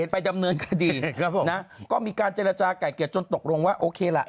ไปดำเนินคดีครับผมนะก็มีการเจรจาไก่เกลียดจนตกลงว่าโอเคล่ะ